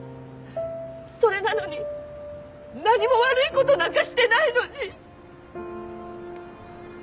それなのに何も悪い事なんかしてないのに。